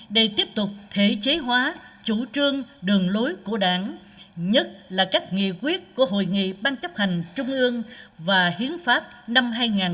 để tiếp tục thể chế hóa chủ trương đường lối của đảng nhất là các nghị quyết của hội nghị ban chấp hành trung ương và hiến pháp năm hai nghìn một mươi ba